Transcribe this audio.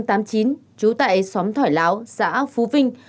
trú tại xóm thỏi láo xã phú vinh